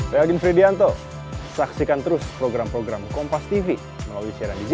kalau perensi mendasar gimana pak